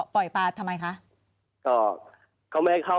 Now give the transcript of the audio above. ปล่อยปลาทำไมคะ